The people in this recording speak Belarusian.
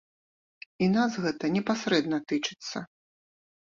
І нас гэта непасрэдна тычыцца.